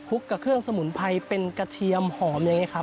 กับเครื่องสมุนไพรเป็นกระเทียมหอมอย่างนี้ครับ